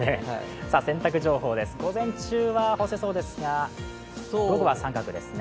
洗濯情報です、午前中は干せそうですが今日は△ですね。